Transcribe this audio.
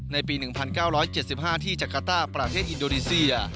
ในปี๑๙๗๕ที่จักรต้าประเทศอินโดนีเซีย